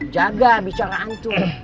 jaga bicara antung